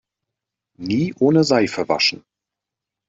Nie ohne Seife waschen!